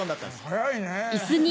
早いねぇ。